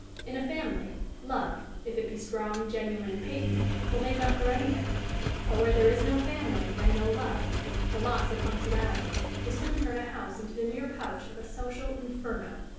In a family, love, if it be strong, genuine, and patent, will make up for anything; but, where there is no family and no love, the loss of punctuality will soon turn a house into the mere pouch of a social inferno.